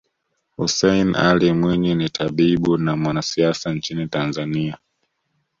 Hussein Ally Mwinyi ni tabibu na mwanasiasa nchini Tanzania